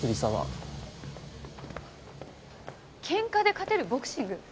喧嘩で勝てるボクシング！？